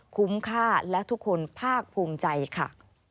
คุ้มค่าและทุกคนภาคภูมิใจค่ะ